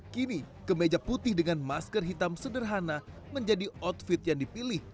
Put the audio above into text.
kini kemeja putih dengan masker hitam sederhana menjadi outfit yang dipilih